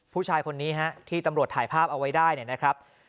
ผู้ชายคนนี้ฮะที่ตำรวจถ่ายภาพเอาไว้ได้เนี่ยนะครับ